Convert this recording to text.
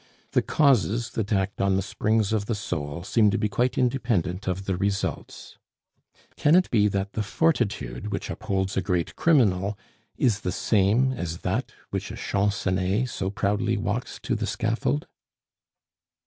The causes that act on the springs of the soul seem to be quite independent of the results. Can it be that the fortitude which upholds a great criminal is the same as that which a Champcenetz so proudly walks to the scaffold?